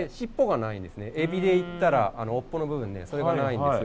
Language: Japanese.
エビで言ったらあの尾っぽの部分それがないんですよ。